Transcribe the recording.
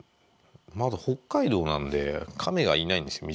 まず北海道なんでカメがいないんですよ